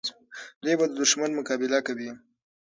دوی به د دښمن مقابله کوي.